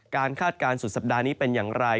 คาดการณ์สุดสัปดาห์นี้เป็นอย่างไร